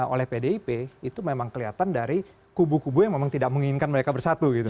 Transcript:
oleh pdip itu memang kelihatan dari kubu kubu yang memang tidak menginginkan mereka bersatu gitu